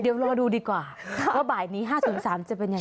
เดี๋ยวรอดูดีกว่าว่าบ่ายนี้๕๐๓จะเป็นยังไง